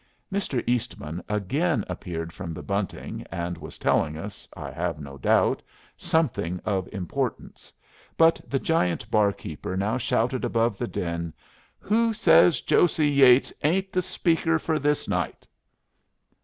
Mr. Eastman again appeared from the bunting, and was telling us, I have no doubt, something of importance; but the giant barkeeper now shouted above the din, "Who says Josey Yeatts ain't the speaker for this night?"